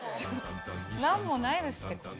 なんもないですって。